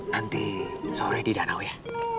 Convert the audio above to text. nanti sore di danau ya